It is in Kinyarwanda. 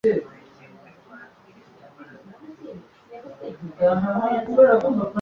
nko mu ya Nsinda yavuze ko icumbikiye imfungwa mu gihe yari yubakiwe kwakira abantu